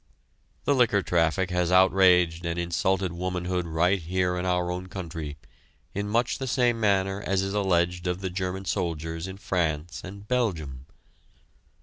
The liquor traffic has outraged and insulted womanhood right here in our own country in much the same manner as is alleged of the German soldiers in France and Belgium!